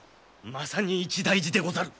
まさに一大事でござる。